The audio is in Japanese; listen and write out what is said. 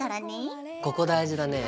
ここ大事だね。